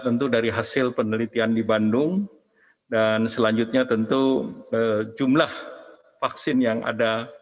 tentu dari hasil penelitian di bandung dan selanjutnya tentu jumlah vaksin yang ada